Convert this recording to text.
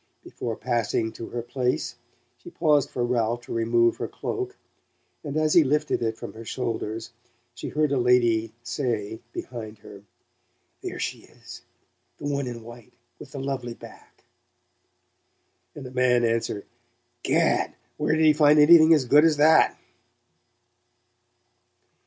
Before passing to her place she paused for Ralph to remove her cloak, and as he lifted it from her shoulders she heard a lady say behind her: "There she is the one in white, with the lovely back " and a man answer: "Gad! Where did he find anything as good as that?"